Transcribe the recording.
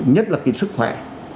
nhất là kỹ sức khỏe